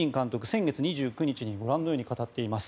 先月２９日にご覧のように語っています。